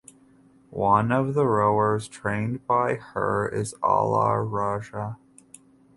One of the rowers trained by her is Allar Raja.